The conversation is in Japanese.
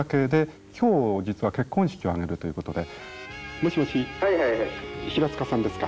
もしもし平塚さんですか？